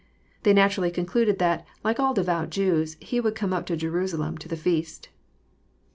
They naturally concluded that, like all devout Jews, He would come up to Jeru salem to the feast.